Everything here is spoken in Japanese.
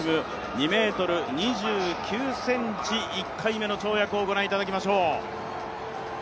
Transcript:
２ｍ２９ｃｍ、１回目の跳躍をご覧いただきましょう。